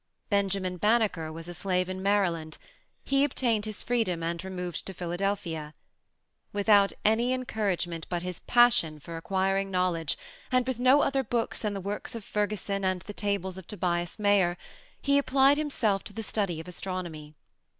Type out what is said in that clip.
Benjamin Bannaker was a slave in Maryland: he obtained his freedom, and removed to Philadelphia. Without any encouragement but his passion for acquiring knowledge, and with no other books than the works of Ferguson and the tables of Tobias Mayer, he applied himself to the study of Astronomy.